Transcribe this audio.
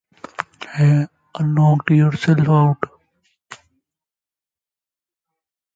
A knock-yourself-out, club-tailored take on the wasteful nature of inertia.